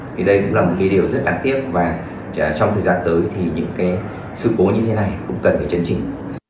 thì đây cũng là một cái điều rất đáng tiếc và trong thời gian tới thì những cái sự cố như thế này cũng cần phải chấn chỉnh